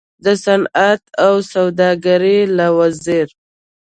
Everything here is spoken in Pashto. د صنعت او سوداګرۍ له وزیر